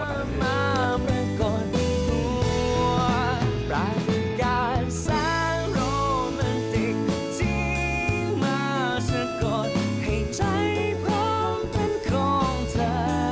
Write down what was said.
ทิ้งมาสะกดให้ใจพร้อมเป็นของเธอ